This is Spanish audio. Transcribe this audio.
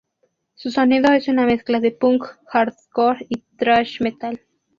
Su sonido es una mezcla de punk, hardcore y thrash metal.